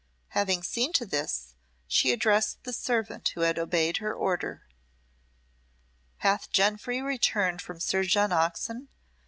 Having seen to this, she addressed the servant who had obeyed her order. "Hath Jenfry returned from Sir John Oxon?"